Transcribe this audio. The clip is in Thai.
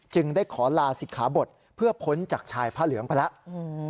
ได้ขอลาศิกขาบทเพื่อพ้นจากชายผ้าเหลืองไปแล้ว